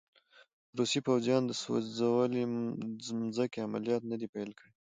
روسي پوځیانو د سوځولې مځکې عملیات نه دي پیل کړي.